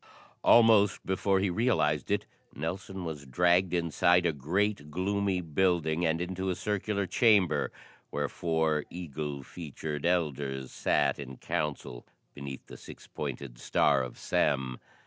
Almost before he realized it, Nelson was dragged inside a great gloomy building and into a circular chamber where four eagle featured elders sat in council beneath the six pointed star of Sem.